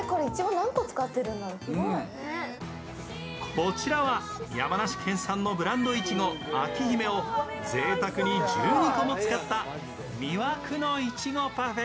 こちらは山梨県産のブランドいちご、章姫をぜいたくに１２個も使った魅惑のいちごパフェ。